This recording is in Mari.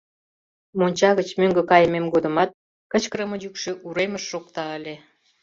Монча гыч мӧҥгӧ кайымем годымат кычкырыме йӱкшӧ уремыш шокта ыле.